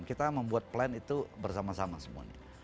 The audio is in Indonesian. kita membuat plan itu bersama sama semuanya